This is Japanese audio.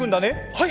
はい！